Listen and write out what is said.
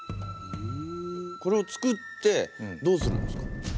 これをつくってどうするんですか？